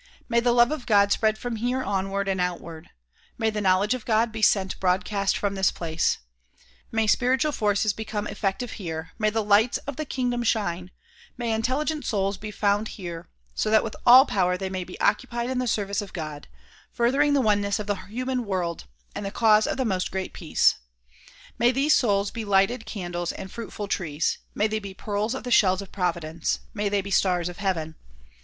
May the love of God spread from here onward and out ward ; may the knowledge of God be sent broadcast from this place ; may spiritual forces become effective here; may the lights of the kingdom shine; may intelligent souls be found here so that with all power they may be occupied in the service of God, furthering the oneness of the human world and the cause of the '' ]\Iost Great Peace." May these souls be lighted candles and fruitful trees; may they be pearls of the shells of providence ; may they be stars of heaven.